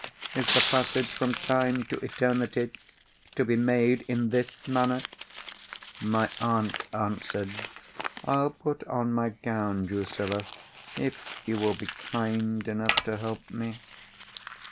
Is the passage from time to eternity to be made in this manner?" My aunt answered, "I'll put on my gown, Drusilla, if you will be kind enough to help me."